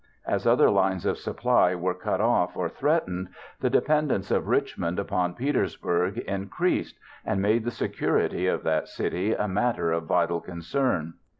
As other lines of supply were cut off or threatened, the dependence of Richmond upon Petersburg increased and made the security of that city a matter of vital concern.